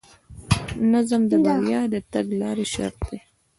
نظم د بریا د تګلارې شرط دی.